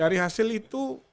dari hasil itu